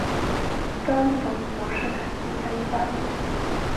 该物种的模式产地在意大利。